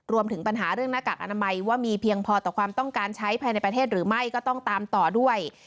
รวมถึงปัญหาเรื่องหน้ากากอนามัยว่ามีเพียงพอต่อความต้องการใช้ภายในประเทศหรือไม่ก็ต้องตามต่อด้วย